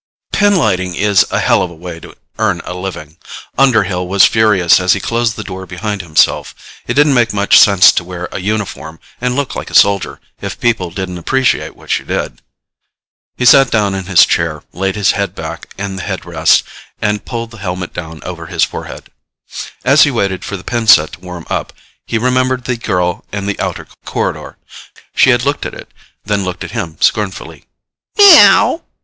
_ Illustrated by HUNTER THE TABLE Pinlighting is a hell of a way to earn a living. Underhill was furious as he closed the door behind himself. It didn't make much sense to wear a uniform and look like a soldier if people didn't appreciate what you did. He sat down in his chair, laid his head back in the headrest and pulled the helmet down over his forehead. As he waited for the pin set to warm up, he remembered the girl in the outer corridor. She had looked at it, then looked at him scornfully. "Meow."